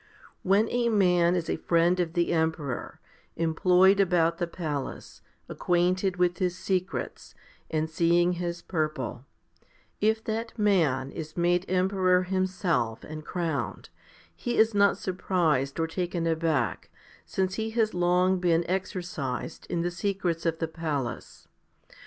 3. When a man is a friend of the emperor, employed about the palace, acquainted with his secrets, and seeing his purple, if that man is made emperor himself and crowned, he is not surprised or taken aback, since he has long been exercised in the secrets of the palace.